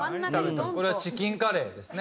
これはチキンカレーですね。